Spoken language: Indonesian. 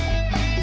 ceng eh tunggu